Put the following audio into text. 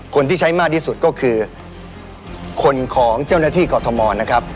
คนที่ใช้มากที่สุดก็คือคนของเจ้าหน้าที่กรทมนะครับ